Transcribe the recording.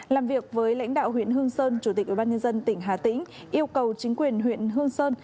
làm việc với lãnh đạo huyện hương sơn chủ tịch ubnd tỉnh hà tĩnh yêu cầu chính quyền huyện hương sơn